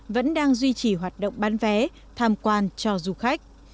vẫn đang duy trì hoạt động bán vé tham quan cho du khách